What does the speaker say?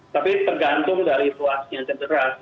tapi tergantung dari ruasnya cedera